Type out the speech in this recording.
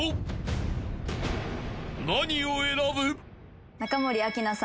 ［何を選ぶ？］